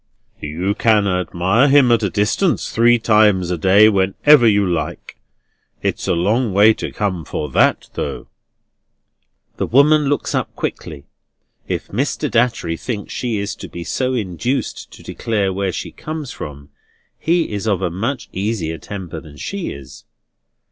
"You can admire him at a distance three times a day, whenever you like. It's a long way to come for that, though." The woman looks up quickly. If Mr. Datchery thinks she is to be so induced to declare where she comes from, he is of a much easier temper than she is.